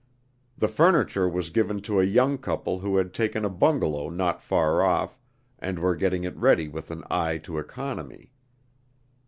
The furniture was given to a young couple who had taken a bungalow not far off, and were getting it ready with an eye to economy.